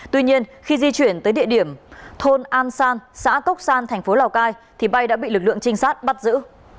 tuy nhiên khi di chuyển tới địa điểm thôn an san xã cốc san thành phố lào cai thì bay đã bị lực lượng trinh sát bắt giữ